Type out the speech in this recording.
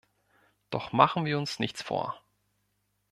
Doch machen wir uns nichts vor.